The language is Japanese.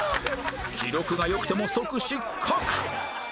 記録が良くても即失格